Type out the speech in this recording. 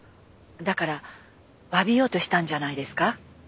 だからわびようとしたんじゃないですか？